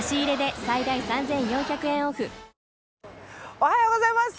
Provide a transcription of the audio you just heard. おはようございます。